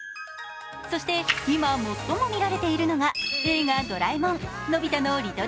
そして今最も見られているのが「映画ドラえもんのび太の